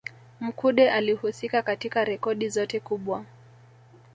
Mkude akihusika katika rekodi zote kubwa